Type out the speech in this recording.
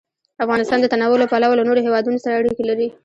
افغانستان د تنوع له پلوه له نورو هېوادونو سره اړیکې لري.